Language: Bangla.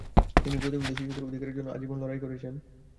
তিনি প্রতিবন্ধী শিশুদের অধিকারের জন্য আজীবন লড়াই করেছেন।